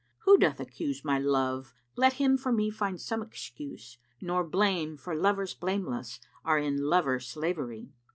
Who doth accuse my love let him for me find some excuse: * Nor blame; for lovers blameless are in lover slavery!